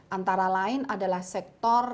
antara lain adalah sektor